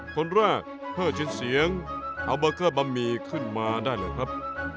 คนแรกพ่อชินเสียงเอาเบอร์เกอร์บะหมี่ขึ้นมาได้หรือครับ